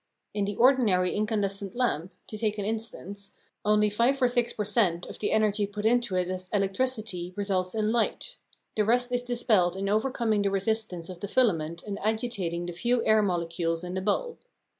In the ordinary incandescent lamp, to take an instance, only 5 or 6 per cent. of the energy put into it as electricity results in light. The rest is dispelled in overcoming the resistance of the filament and agitating the few air molecules in the bulb.